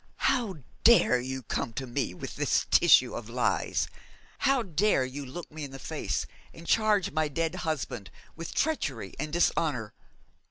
'How dare you come to me with this tissue of lies? How dare you look me in the face and charge my dead husband with treachery and dishonour?